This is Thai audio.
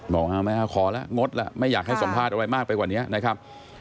บอกไม่เอาขอแล้วงดแล้วไม่อยากให้สัมภาษณ์อะไรมากไปกว่านี้นะครับ